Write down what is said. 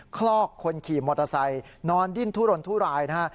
คลอกคนขี่มอเตอร์ไซค์นอนดิ้นทุรนทุรายนะฮะ